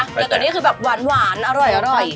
แต่ตัวนี้คือแบบหวานอร่อย